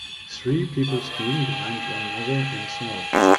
Three people skiing behind one another in snow.